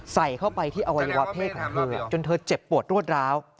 ใส่เข้าไปที่อวัยวะเพศของเธอจนเธอเจ็บปวดรวดร้าว